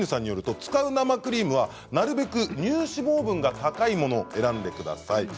使う生クリームはなるべく乳脂肪分が高いものを選んでください。